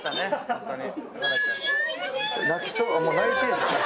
ホントに。